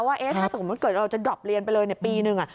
ว่าถ้าสมมุติเกิดเราจะดรอปเรียนไปเลยปีหนึ่ง